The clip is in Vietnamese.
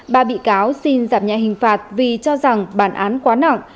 ba bị cáo xin giảm nhẹ hình phạt vì cho rằng bản án quá nặng